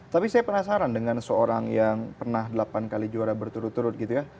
tapi saya penasaran dengan seorang yang pernah delapan kali juara berturut turut gitu ya